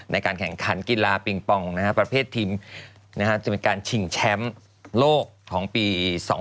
ในการแข่งขันกีฬาปิงปองประเภททีมจะเป็นการชิงแชมป์โลกของปี๒๕๖